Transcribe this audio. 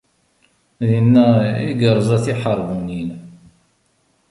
Dinna i yerẓa tiḥerbunin.